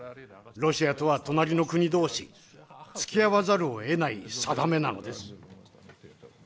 ロシアとは隣の国同士つきあわざるをえない定めなのです。